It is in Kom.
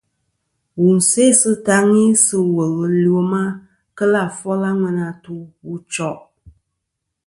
Wù sè sɨ taŋi sɨ̂ wùl ɨ lwema kelɨ̀ àfol a ŋweyn atu wu choʼ.